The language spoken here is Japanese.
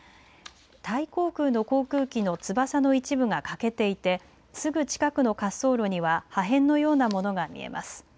タイ航空の航空機の翼の一部が欠けていてすぐ近くの滑走路には破片のようなものが見えます。